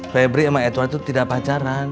febri sama edward itu tidak pacaran